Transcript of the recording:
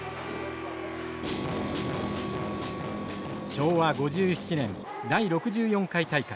昭和５７年第６４回大会。